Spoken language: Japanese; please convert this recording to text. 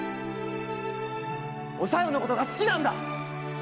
お小夜のことが好きなんだ！